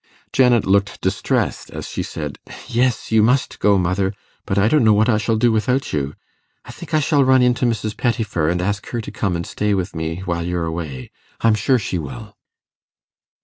Janet looked distressed as she said, 'Yes, you must go, mother. But I don't know what I shall do without you. I think I shall run in to Mrs. Pettifer, and ask her to come and stay with me while you're away. I'm sure she will.